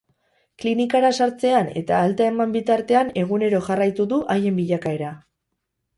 Klinikara sartzean eta alta eman bitartean egunero jarraitu du haien bilakaera.